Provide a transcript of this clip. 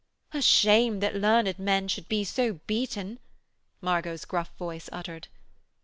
'A shame that learned men should be so beaten!' Margot's gruff voice uttered.